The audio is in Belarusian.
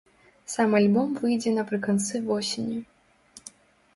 Сам альбом выйдзе напрыканцы восені.